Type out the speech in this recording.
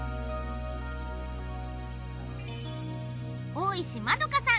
大石まどかさん